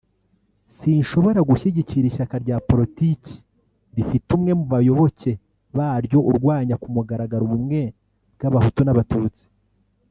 sinshobora gushyigikira ishyaka rya politiki rifite umwe mu bayoboke baryo urwanya ku mugaragaro ubumwe bw’Abahutu n’Abatutsi